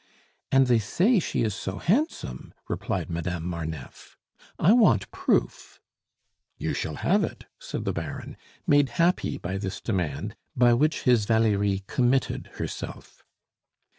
"And they say she is so handsome!" replied Madame Marneffe. "I want proof." "You shall have it," said the Baron, made happy by this demand, by which his Valerie committed herself.